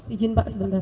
ijin pak sebentar